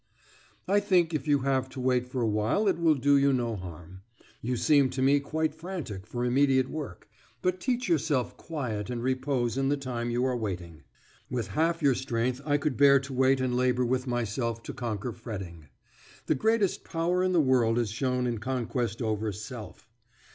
I think if you have to wait for a while it will do you no harm. You seem to me quite frantic for immediate work; but teach yourself quiet and repose in the time you are waiting. With half your strength I could bear to wait and labour with myself to conquer fretting. The greatest power in the world is shown in conquest over self.